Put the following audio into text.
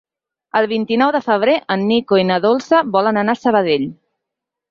El vint-i-nou de febrer en Nico i na Dolça volen anar a Sabadell.